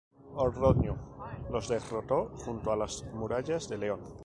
Ordoño los derrotó junto a las murallas de León.